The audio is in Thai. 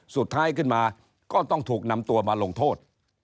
สุดท้ายขึ้นมาก็ต้องถูกนำตัวมาลงโทษ